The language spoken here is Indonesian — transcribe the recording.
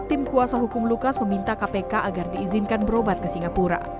tim kuasa hukum lukas meminta kpk agar diizinkan berobat ke singapura